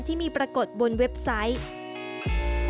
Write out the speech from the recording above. ที่มีปรากฏบนเว็บไซต์